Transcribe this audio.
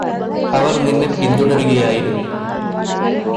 അവർ നിന്നെ പിന്തുടരുകയായിരുന്നു